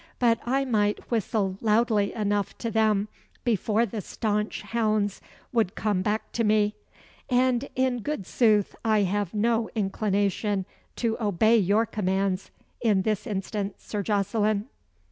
But I might whistle loudly enough to them before the staunch hounds would come back to me; and, in good sooth, I have no inclination to obey your commands in his instance, Sir Jocelyn."